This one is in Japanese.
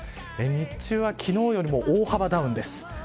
日中は昨日よりも大幅ダウンです。